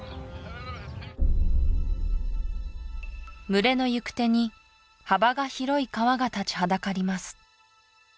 群れの行く手に幅が広い川が立ちはだかります